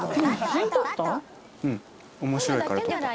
うん面白いから撮った。